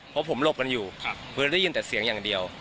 เพราะผมหลบกันอยู่คือได้ยินแต่เสียงอย่างเดียว